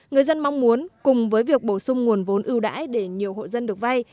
người dân mong muốn cùng với việc bổ sung nguồn vốn ưu đãi để nhiều hộ dân được vay